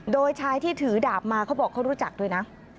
โดยชายที่ถือดาบมาเขาบอกเขารู้จักด้วยนะ